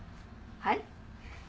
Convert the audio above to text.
はい？